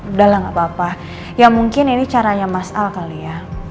udah lah gak papa ya mungkin ini caranya mas al kali ya